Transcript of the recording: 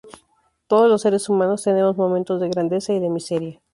Todos los seres humanos tenemos momentos de grandeza y de miseria.